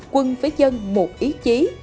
quân với dân một ý chí